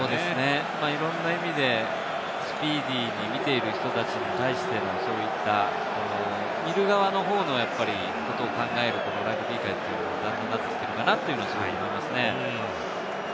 いろんな意味でスピーディーに見ている人たちに対しても、そういった見る側の方のことを考えるラグビー界というのもなってきているのかなと思いますね。